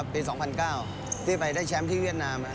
ปี๒๐๐๙ที่ไปได้แชมป์ที่เวียดนาม